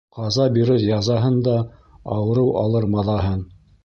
Ҡаза бирер язаһын да, ауырыу алыр маҙаһын.